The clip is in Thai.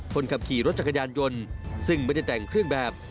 คนขับขี่รถจักรยานยนต์ซึ่งไม่ได้แต่งเครื่องแบบ